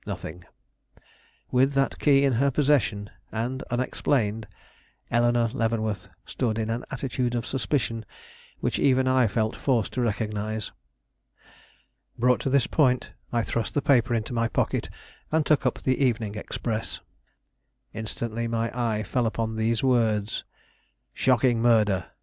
Nothing. With that key in her possession, and unexplained, Eleanore Leavenworth stood in an attitude of suspicion which even I felt forced to recognize. Brought to this point, I thrust the paper into my pocket, and took up the evening Express. Instantly my eye fell upon these words: SHOCKING MURDER MR.